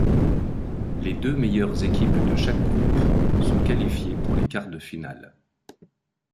Les deux meilleures équipes de chaque groupe sont qualifiées pour les quart de finale.